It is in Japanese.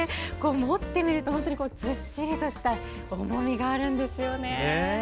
持ってみると本当にずっしりとした重みがあるんですよね。